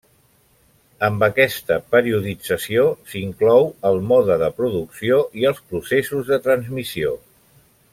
Amb aquesta periodització s’inclou el mode de producció i els processos de transmissió.